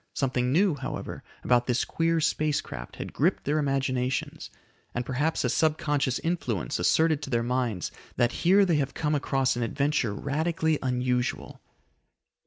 Something new, however, about this queer space craft had gripped their imaginations, and perhaps a subconscious influence asserted to their minds that here they have come across an adventure radically unusual.